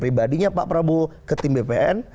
pribadinya pak prabowo ke tim bpn